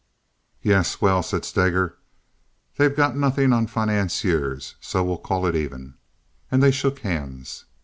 "Yes—well," said Steger, "they've got nothing on financiers, so we'll call it even." And they shook hands.